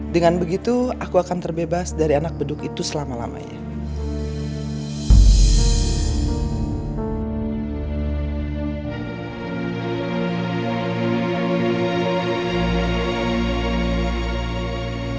dengan begitu aku akan terbebas dari anak beduk itu selama lamanya